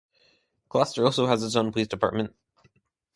Closter also has its own police department.